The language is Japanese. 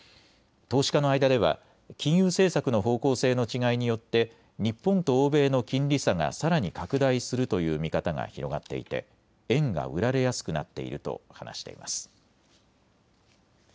投資家の間では金融政策の方向性の違いによって日本と欧米の金利差がさらに拡大するという見方が広がっていて円が売られやすくなっていると話しています。